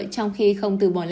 trong khi không từ bóng đá